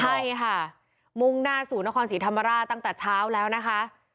ใช่ค่ะมุ่งหน้าสู่นครศรีธรรมราชตั้งแต่เช้าแล้วนะคะ